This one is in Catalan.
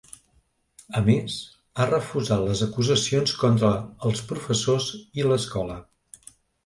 A més, ha refusat les acusacions contra els professors i l’escola.